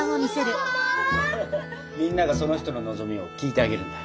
みんながその人の望みを聞いてあげるんだ。